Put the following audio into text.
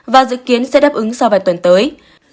và dự kiến sẽ đáp ứng sau vài tuần tới